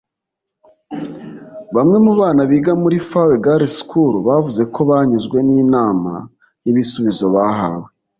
Bamwe mu bana biga muri Fawe Girls School bavuze ko banyuzwe n’inama n’ibisubizo bahawe